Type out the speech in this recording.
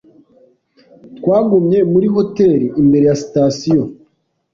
Twagumye muri hoteri imbere ya sitasiyo.